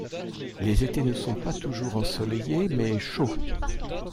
Les étés ne sont pas toujours ensoleillés mais chauds.